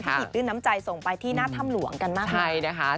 ที่หยิบด้วยน้ำใจส่งไปที่หน้าท่ำหลวงกันมากมาย